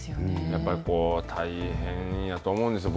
やっぱり大変やと思うんですよ。